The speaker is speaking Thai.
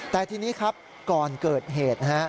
แต่ทีนี้ครับก่อนเกิดเหตุนะฮะ